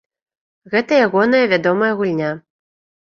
Гэта ягоная вядомая гульня.